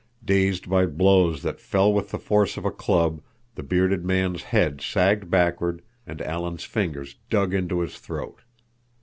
Dazed by blows that fell with the force of a club the bearded man's head sagged backward, and Alan's fingers dug into his throat.